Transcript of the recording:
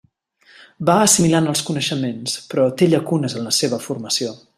Va assimilant els coneixements però té llacunes en la seva formació.